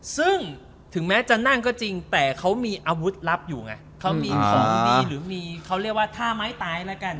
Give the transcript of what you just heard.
ซึ่งถึงแม้จะนั่งก็จริงแต่เขามีอาวุธลับอยู่ไงเขามีของดีหรือมีเขาเรียกว่าท่าไม้ตายแล้วกัน